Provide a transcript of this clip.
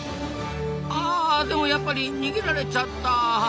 あでもやっぱり逃げられちゃった。